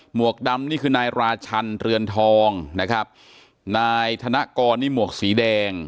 วกดำนี่คือนายราชันเรือนทองนะครับนายธนกรนี่หมวกสีแดง